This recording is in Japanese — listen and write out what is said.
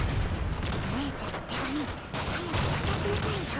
お姉ちゃんの手紙早く渡しなさいよ。